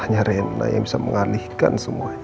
hanya rena yang bisa mengalihkan semuanya